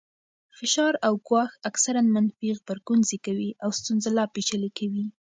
فشار او ګواښ اکثراً منفي غبرګون زېږوي او ستونزه لا پېچلې کوي.